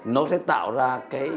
nó sẽ tạo ra cái